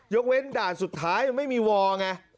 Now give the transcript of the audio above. กเว้นด่านสุดท้ายไม่มีวอร์ไง